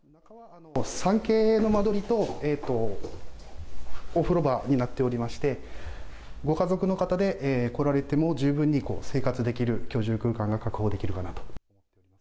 ３Ｋの間取りと、お風呂場になっておりまして、ご家族の方で来られても、十分に生活できる居住空間が確保できるかなと。